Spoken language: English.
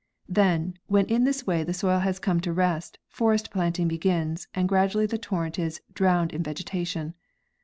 Then, when in this way the soil has come to rest, forest planting begins, and gradually the torrent is "drowned in vegetation."